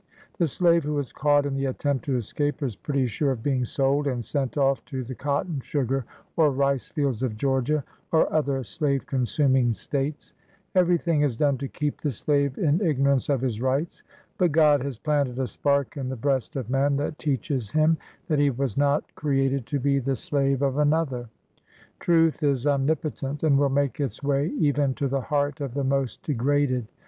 The slave who is caught in the attempt to escape is pretty sure of being sold and sent off to the cotton, sugar, or rice fields of Georgia, or other slave consuming States. Every thing is done to keep the slave in igno rance of his rights. But God has planted a spark in the breast of man, that teaches him that he was not created to be the slave of another. Truth is omnipo tent, and will make its way even to the heart of the most degraded.